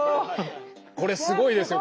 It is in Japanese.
これすごいですよ。